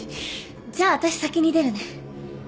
じゃああたし先に出るね